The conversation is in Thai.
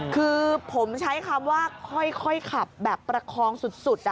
คือผมใช้คำว่าค่อยขับแบบประคองสุด